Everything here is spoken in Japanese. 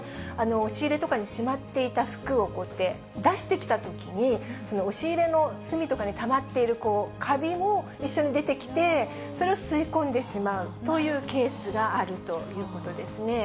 押し入れとかにしまっていた服をこうやって出してきたときに、押し入れの隅とかにたまっているカビも一緒に出てきて、それを吸い込んでしまうというケースがあるということですね。